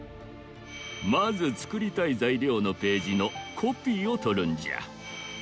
まずつくりたいざいりょうのページのコピーをとるんじゃ。